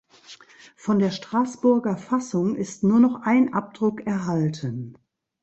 Von der Straßburger Fassung ist nur noch ein Abdruck erhalten.